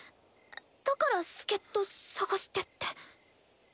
だから助っ人探してて。